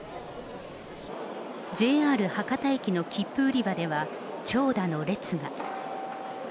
ＪＲ博多駅の切符売り場では、長蛇の列が。